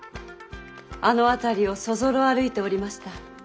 あの辺りをそぞろ歩いておりました。